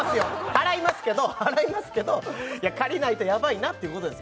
払いますけど払いますけどいや借りないとやばいなっていうことです